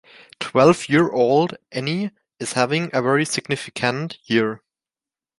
Twelve-year-old Annie is having a very significant year.